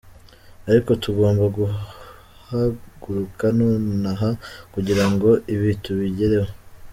Ariko tugomba guhaguruka nonaha kugira ngo ibi tubigereho.